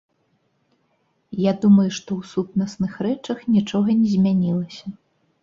Я думаю, што ў сутнасных рэчах нічога не змянілася.